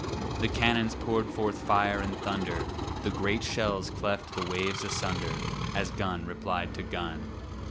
The cannons poured forth fire and thunder, The great shells cleft the waves asunder, As gun replied to gun.